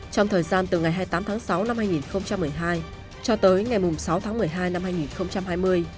trong thời gian từ ngày hai mươi tám tháng sáu năm hai nghìn một mươi hai cho tới ngày sáu tháng một mươi hai năm hai nghìn hai mươi